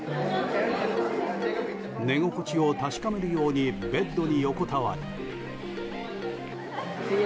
寝心地を確かめるようにベッドに横たわり。